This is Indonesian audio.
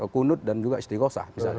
kunut dan juga istighosa